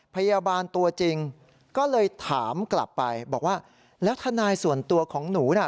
พยาบาลตัวจริงก็เลยถามกลับไปบอกว่าแล้วทนายส่วนตัวของหนูน่ะ